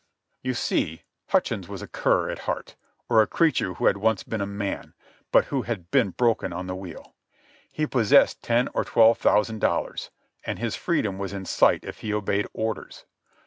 You see, Hutchins was a cur at heart, or a creature who had once been a man, but who had been broken on the wheel. He possessed ten or twelve thousand dollars, and his freedom was in sight if he obeyed orders.